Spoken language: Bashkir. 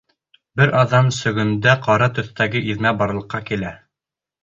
Бер аҙҙан сөгөндә ҡара төҫтәге иҙмә барлыҡҡа килә.